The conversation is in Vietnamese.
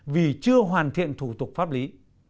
vì chưa hoàn thiện thủ tục pháp lý